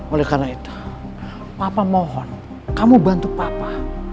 oleh karena itu papa mohon kamu bantu papa